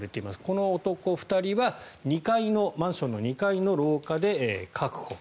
この男２人はマンションの２階の廊下で確保。